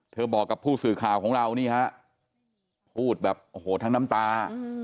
บอกกับผู้สื่อข่าวของเรานี่ฮะพูดแบบโอ้โหทั้งน้ำตา